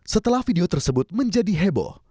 setelah video tersebut menjadi heboh